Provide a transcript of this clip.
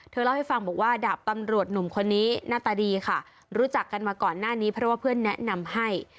เล่าให้ฟังบอกว่าดาบตำรวจหนุ่มคนนี้หน้าตาดีค่ะรู้จักกันมาก่อนหน้านี้เพราะว่าเพื่อนแนะนำให้